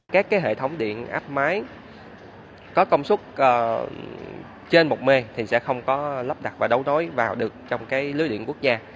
các hệ thống điện áp máy có công suất trên một mê thì sẽ không có lắp đặt và đấu nối vào được trong lưới điện quốc gia